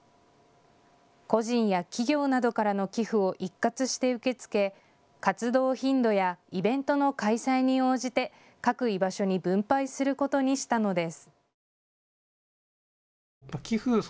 個人や企業などからの寄付を一括して受け付け活動頻度やイベントの開催に応じて各居場所に分配することにしたのです。